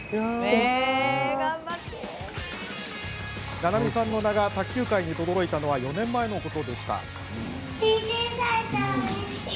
菜々美さんの名が卓球界にとどろいたのは４年前のこと。